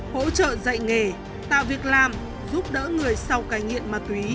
hỗ trợ dạy nghề tạo việc làm giúp đỡ người sau cai nghiện ma túy